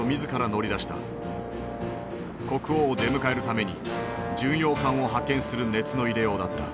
国王を出迎えるために巡洋艦を派遣する熱の入れようだった。